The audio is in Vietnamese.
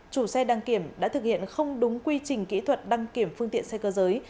chủ xe đăng kiểm đã thực hiện không đúng quy trình kỹ thuật đăng kiểm phương tiện xe cơ giới